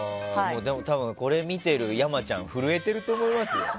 でも、これを見ている山ちゃん震えていると思いますよ。